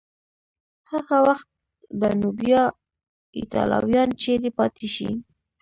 هغه وخت به نو بیا ایټالویان چیري پاتې شي؟